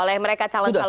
oleh mereka calon calon itu